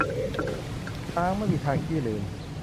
ช้างไม่มีทางขี้ลืม